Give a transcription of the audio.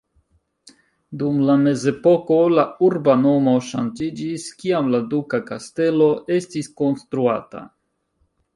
Dum la mezepoko la urba nomo ŝanĝiĝis, kiam la duka kastelo estis konstruata.